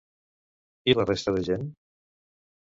I la resta de gent?